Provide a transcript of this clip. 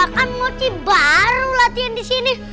kan moci baru latihan disini